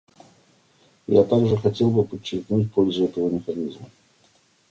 Я также хотел бы подчеркнуть пользу этого механизма.